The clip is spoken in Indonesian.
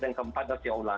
dan keempat siwa ular